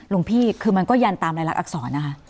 ลุงพี่คือมันก็ยันตามลายลักษณ์อักษรนะคะ